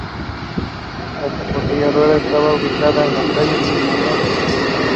La embotelladora estaba ubicada en las calles Manabí y Chile.